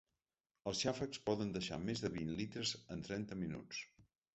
Els xàfecs poden deixar més de vint litres en trenta minuts.